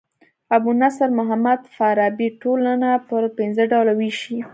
ابو نصر محمد فارابي ټولنه پر پنځه ډوله ويشي.